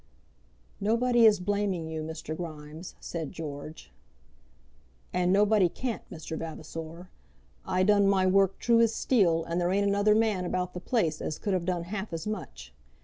"Nobody is blaming you, Mr. Grimes," said George. "And nobody can't, Mr. Vavasor. I done my work true as steel, and there ain't another man about the place as could have done half as much.